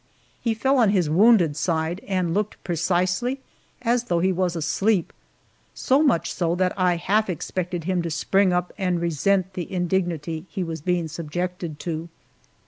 He fell on his wounded side, and looked precisely as though he was asleep so much so that I half expected him to spring up and resent the indignity he was being subjected to.